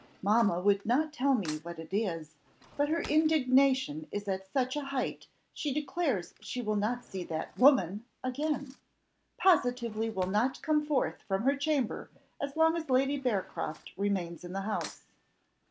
Mamma would not tell me what it is; but her indignation is at such a height she declares she will not see that woman, again: positively will not come forth from her chamber as long as Lady Bearcroft remains in the house.